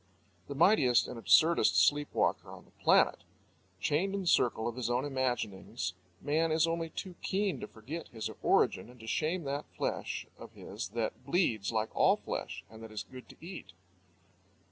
The mightiest and absurdest sleep walker on the planet! Chained in the circle of his own imaginings, man is only too keen to forget his origin and to shame that flesh of his that bleeds like all flesh and that is good to eat.